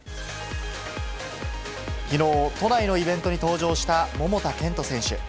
きのう、都内のイベントに登場した桃田賢斗選手。